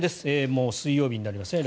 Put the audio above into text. もう水曜日になりますね。